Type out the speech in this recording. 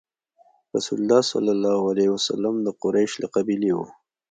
رسول الله ﷺ د قریش له قبیلې وو.